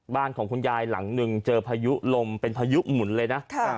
บ้านของคุณยายหลังหนึ่งเจอพายุลมเป็นพายุหมุนเลยนะ